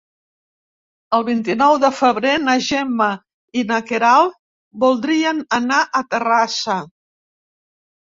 El vint-i-nou de febrer na Gemma i na Queralt voldrien anar a Terrassa.